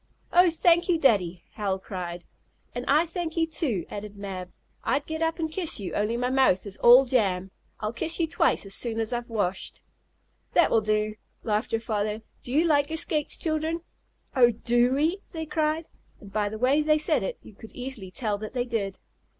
"Oh, thank you, Daddy!" Hal cried. "And I thank you, too!" added Mab. I'd get up and kiss you, only my mouth is all jam. I'll kiss you twice as soon as I've washed." "That will do," laughed her father. "Do you like your skates, children?" "Oh, do we?" they cried, and by the way they said it you could easily tell that they did.